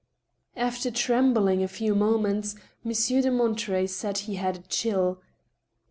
After trembling a few moments. Monsieur de Monterey said he had a chill.